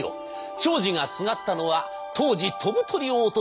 長司がすがったのは当時飛ぶ鳥を落とす勢いでありました